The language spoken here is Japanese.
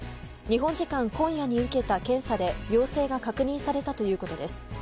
日本時間今夜に受けた検査で陽性が確認されたということです。